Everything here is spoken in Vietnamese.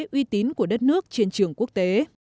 uy tín của đất nước trên trường quốc tế